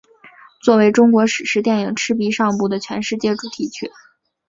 作为中国史诗电影赤壁上部的全世界主题曲。